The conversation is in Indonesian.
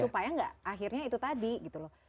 supaya nggak akhirnya itu tadi gitu loh